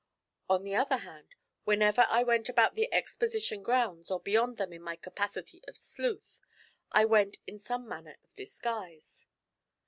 On the other hand, whenever I went about the Exposition grounds or beyond them in my capacity of 'sleuth,' I went in some manner of disguise.